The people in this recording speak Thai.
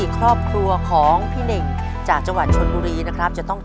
ตอบถูก๓ข้อรับ๑๐๐๐บาท